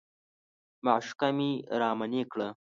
معشوقه مې رامنې کړه.